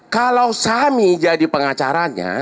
kalau sami jadi pengacaranya